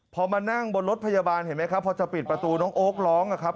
พอมานั่งบนรถพยาบาลเห็นไหมครับพอจะปิดประตูน้องโอ๊คร้องนะครับ